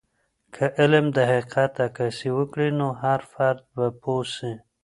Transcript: که علم د حقیقت عکاسي وکړي، نو هر فرد به پوه سي.